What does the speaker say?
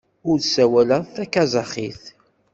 Ur ssawaleɣ takazaxit.